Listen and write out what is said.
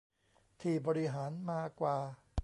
ที่บริหารมากว่า